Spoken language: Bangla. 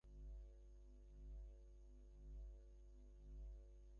জীবনে আমরা যাহাই করিতে যাই, তাহার সঙ্গে নিজেদের এক করিয়া ফেলি।